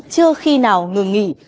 chưa khi nào ngừng nghỉ